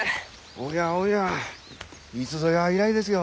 おやおやいつぞや以来ですよ。